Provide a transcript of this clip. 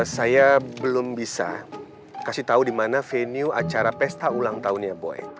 saya belum bisa kasih tahu di mana venue acara pesta ulang tahunnya boy